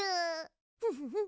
フフフ。